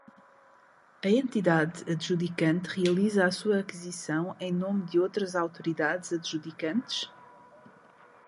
A entidade adjudicante realiza a sua aquisição em nome de outras autoridades adjudicantes?